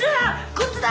こっちだ！